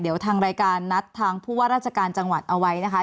เดี๋ยวทางรายการนัดทางผู้ว่าราชการจังหวัดเอาไว้นะคะ